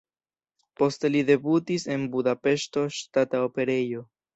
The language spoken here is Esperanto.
Poste li debutis en Budapeŝta Ŝtata Operejo.